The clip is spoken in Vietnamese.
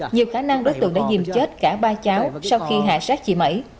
nhiều khả năng đối tượng đã dìm chết cả ba cháu sau khi hạ sát chị mẩy